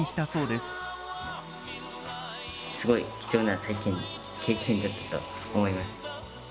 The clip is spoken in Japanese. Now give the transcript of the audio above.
すごい貴重な体験経験だったと思います。